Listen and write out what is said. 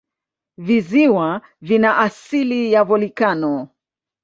Visiwa vina asili ya volikano.